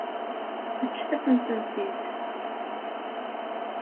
Ǧǧet-asent-tent-id.